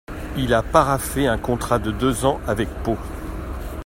Il a paraphé un contrat de deux ans avec Pau.